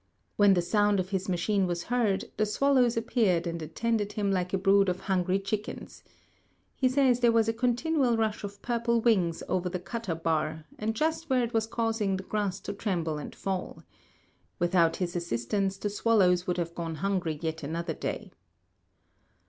When the sound of his machine was heard, the swallows appeared and attended him like a brood of hungry chickens. He says there was a continual rush of purple wings over the "cutter bar," and just where it was causing the grass to tremble and fall. Without his assistance the swallows would have gone hungry yet another day.